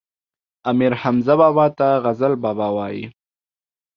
امير حمزه بابا ته غزل بابا وايي